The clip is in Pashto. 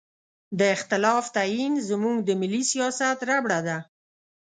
د اختلاف تعین زموږ د ملي سیاست ربړه ده.